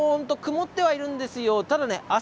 曇ってはいるんです。